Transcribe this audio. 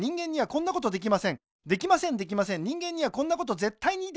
できませんできません人間にはこんなことぜったいにできません